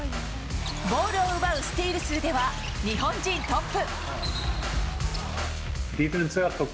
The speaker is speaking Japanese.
ボールを奪うスチール数では日本人トップ。